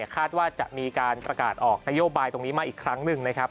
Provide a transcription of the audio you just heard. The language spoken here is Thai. คาดว่าจะมีการประกาศออกนโยบายตรงนี้มาอีกครั้งหนึ่งนะครับ